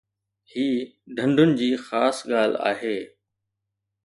هي ڍنڍن جي خاص ڳالهه آهي